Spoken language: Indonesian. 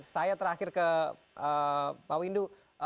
saya terakhir ke pak windu